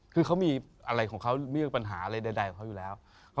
เขามีอะไรของเขามีแบบปัญหาอะไรใดอยู่แล้ว